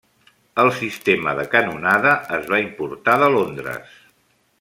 El sistema de canonada es va importar de Londres.